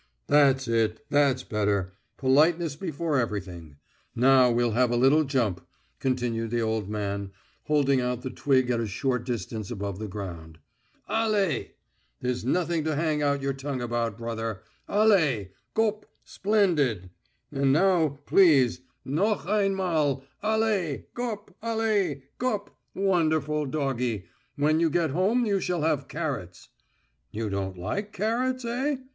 "That's it, that's better. Politeness before everything. Now we'll have a little jump," continued the old man, holding out the twig at a short distance above the ground. "Allez! There's nothing to hang out your tongue about, brother. Allez! Gop! Splendid! And now, please, noch ein mal ... Allez! ... Gop! Allez! Gop! Wonderful doggie. When you get home you shall have carrots. You don't like carrots, eh?